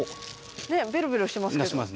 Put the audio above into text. ねっベロベロしてますけど。